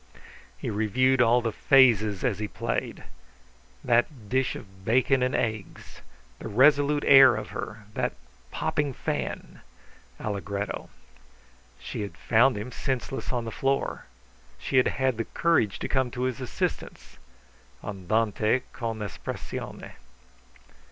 He reviewed all the phases as he played. That dish of bacon and eggs, the resolute air of her, that popping fan! [Allegretto.] She had found him senseless on the floor. She had had the courage to come to his assistance. [Andante con espressione.